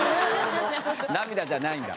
涙じゃないんだ。